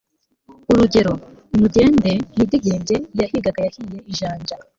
urugero «nimujyende mwidegembye iyahigaga yahiye ijanja»